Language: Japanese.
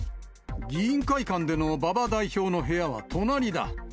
議員会館での馬場代表の部屋は隣だ。